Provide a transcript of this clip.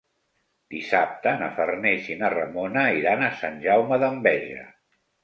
Dissabte na Farners i na Ramona iran a Sant Jaume d'Enveja.